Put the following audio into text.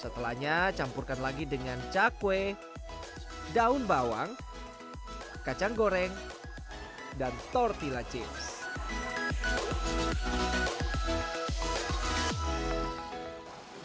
setelahnya campurkan lagi dengan cakwe daun bawang kacang goreng dan tortilla change